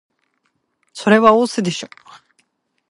それは押忍でしょ